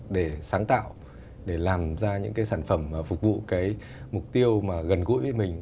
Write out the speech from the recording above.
để sáng tạo để làm ra những cái sản phẩm phục vụ cái mục tiêu mà gần gũi với mình